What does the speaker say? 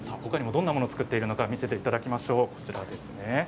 ほかにもどんなものを作っているか見せていただきましょう。